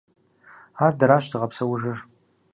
Ар дэращ зыгъэпсэужыр.